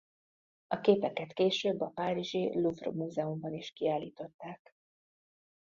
A képeket később a párizsi Louvre múzeumban is kiállították.